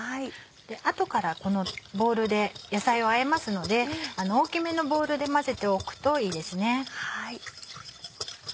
後からこのボウルで野菜をあえますので大きめのボウルで混ぜておくといいですね。